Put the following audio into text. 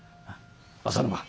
浅沼。